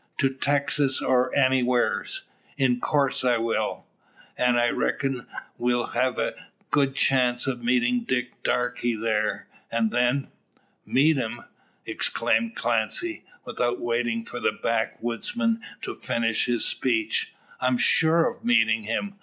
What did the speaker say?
"To Texas, or anywhars. In coorse I will. An' I reck'n we'll hev a good chance o' meetin' Dick Darke thar, an' then " "Meet him!" exclaimed Clancy, without waiting for the backwoodsman to finish his speech, "I'm sure of meeting him.